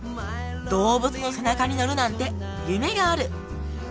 動物の背中に乗るなんて夢がある！